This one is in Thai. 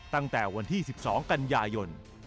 ตั้งแต่วันที่๑๒กันยายน